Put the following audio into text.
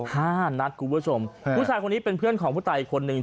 ห้านัดคุณผู้ชมผู้ชายคนนี้เป็นเพื่อนของผู้ตายอีกคนนึง